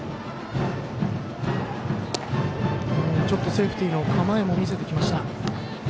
セーフティーの構えも見せてきました。